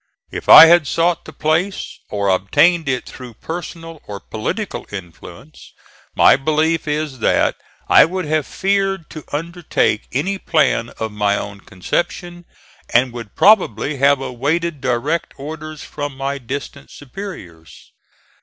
If I had sought the place, or obtained it through personal or political influence, my belief is that I would have feared to undertake any plan of my own conception, and would probably have awaited direct orders from my distant superiors.